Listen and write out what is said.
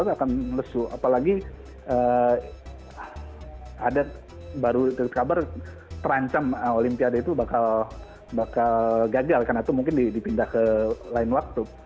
akan lesu apalagi ada baru kabar terancam olimpiade itu bakal gagal karena itu mungkin dipindah ke lain waktu